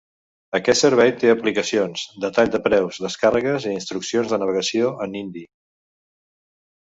Aquest servei te aplicacions, detall de preus, descàrregues i instruccions de navegació en hindi.